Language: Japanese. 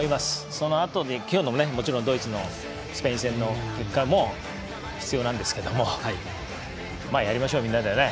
そのあと、今日のドイツのスペイン戦の結果も必要なんですけどもやりましょう、みんなでね。